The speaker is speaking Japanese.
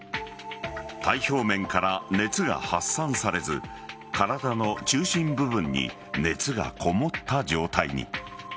体表面から熱が発散されず体の中心部分に熱がこもった状態に。